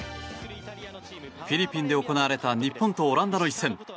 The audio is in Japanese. フィリピンで行われた日本とオランダの一戦。